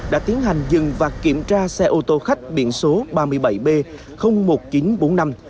đã tiến hành dừng và kiểm tra xe ô tô khách biển số ba mươi bảy b một nghìn chín trăm bốn mươi năm